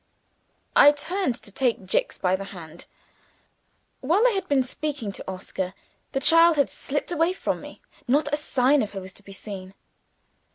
_" I turned to take Jicks by the hand. While I had been speaking to Oscar the child had slipped away from me. Not a sign of her was to be seen.